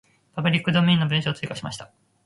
パブリックドメインの文章を追加しました。